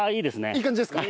いい感じですか？